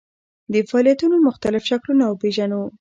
د فعالیتونو مختلف شکلونه وپېژنو.